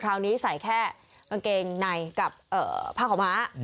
คราวนี้ใส่แค่กางเกงในกับผ้าขาวม้า